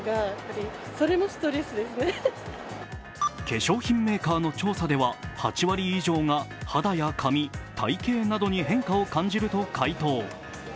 化粧品メーカーの調査では８割以上が肌や髪、体形などに変化を感じると回答。